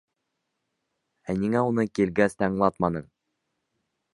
Ә ниңә уны килгәс тә аңлатманың?